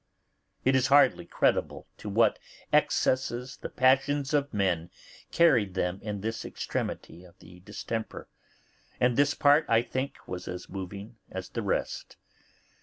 It is hardly credible to what excess the passions of men carried them in this extremity of the distemper, and this part, I think, was as moving as the rest.